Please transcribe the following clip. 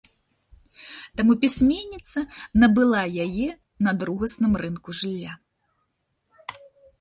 Таму пісьменніца набыла яе на другасным рынку жылля.